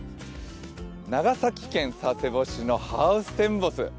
長崎県佐世保市のハウステンボス。